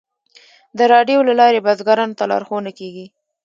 د راډیو له لارې بزګرانو ته لارښوونه کیږي.